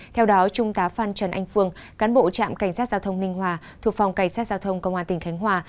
theo đó trung tá phan trần anh phương cán bộ trạm cảnh sát giao thông ninh hòa thuộc phòng cảnh sát giao thông công an tỉnh khánh hòa